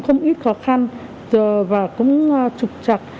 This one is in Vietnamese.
không ít khó khăn và cũng trục trặc